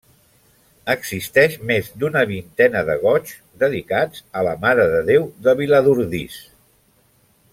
Existeix més d'una vintena de goigs dedicats a la Mare de Déu de Viladordis.